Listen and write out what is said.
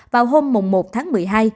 vào hôm một tháng một mươi hai